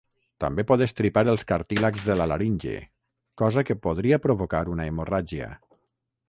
També pot estripar els cartílags de la laringe, cosa que podria provocar una hemorràgia.